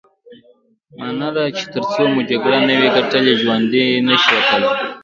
مانا دا چې ترڅو مو جګړه نه وي ګټلې ژوندي نه شو وتلای.